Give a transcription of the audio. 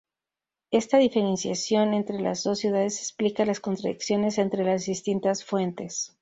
Esta diferenciación entre las dos ciudades explica las contradicciones entre las distintas fuentes.